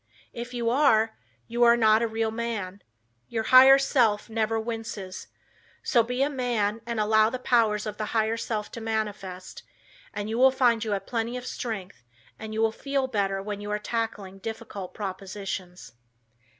If you are, you are not a Real Man. Your higher self never winces, so be a man and allow the powers of the higher self to manifest and you will find you have plenty of strength and you will feel better when you are tackling difficult propositions.